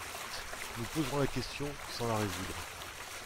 Nous posons la question sans la résoudre.